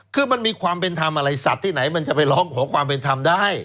คือมันมีความเป็นทำอะไรสัตว์ที่ไหนมันจะไปร้องขอความเป็นธรรมได้